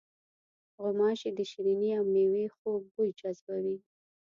غوماشې د شریني او میوې خوږ بوی جذبوي.